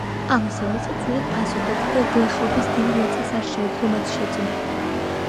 ამასთან მიწა ძვირად ფასობდა და გლეხობის დიდი ნაწილს არ შეეძლო მათი შეძენა.